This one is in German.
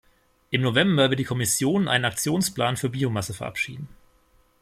Im November wird die Kommission einen Aktionsplan für Biomasse verabschieden.